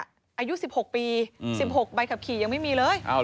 อายุสิบหกปีสิบหกใบขับขี่ยังไม่มีเลย